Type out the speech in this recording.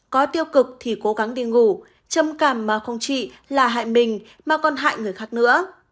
có tiêu cực thì cố gắng đi ngủ trầm cảm mà không chỉ là hại mình mà còn hại người khác nữa